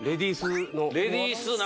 レディースの。